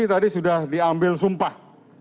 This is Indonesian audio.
tadi sudah diambil sumpah